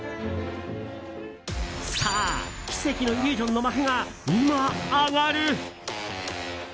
さあ、奇跡のイリュージョンの幕が今、上がる！